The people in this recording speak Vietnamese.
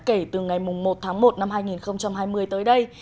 kể từ ngày một tháng một năm hai nghìn hai mươi tới đây